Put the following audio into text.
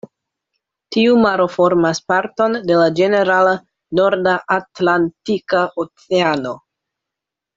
Tiu maro formas parton de la ĝenerala norda Atlantika Oceano.